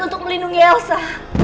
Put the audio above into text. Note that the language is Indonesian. untuk melindungi elsa